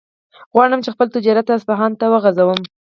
غواړم چې خپل تجارت اصفهان ته هم وغځوم.